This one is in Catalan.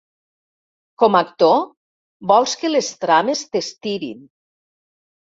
Com a actor, vols que les trames t'estirin.